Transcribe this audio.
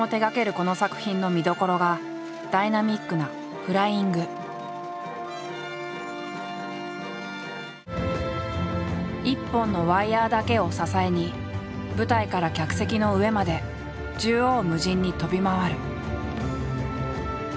この作品の見どころがダイナミックな一本のワイヤーだけを支えに舞台から客席の上まで縦横無尽に飛び回る。